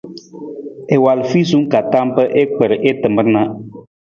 I wal fiisung ka tam pa i kpar i tamar na.